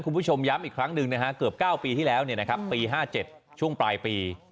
คุณผู้ชมย้ำอีกครั้งหนึ่งนะฮะเกือบ๙ปีที่แล้วปี๕๗ช่วงปลายปี